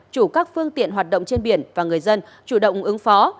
chủ các phương tiện hoạt động trên biển và người dân chủ động ứng phó